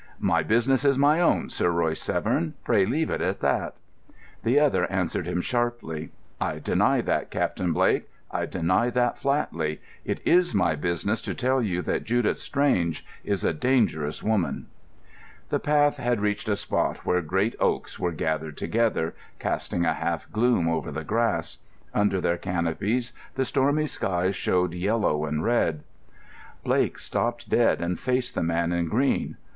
"My business is my own, Sir Royce Severn. Pray leave it at that." The other answered him sharply. "I deny that, Captain Blake; I deny that flatly. It is my business to tell you that Judith Strange is a dangerous woman." The path had reached a spot where great oaks were gathered together, casting a half gloom over the grass. Under their canopies the stormy sky showed yellow and red. Blake stopped dead and faced the man in green.